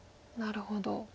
なるほど。